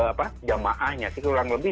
apa jamaahnya sih kurang lebih dua puluh lima